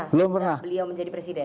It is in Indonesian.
belum pernah sejak beliau menjadi presiden